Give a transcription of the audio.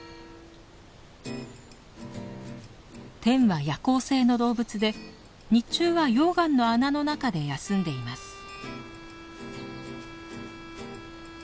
テンは夜行性の動物で日中は溶岩の穴の中で休んでいます。